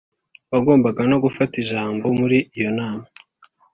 wagombaga no gufata ijambo muri iyo nama.